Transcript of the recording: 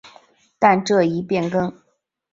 但这一变更引发不少批评。